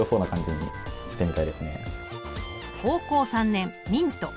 高校３年ミント。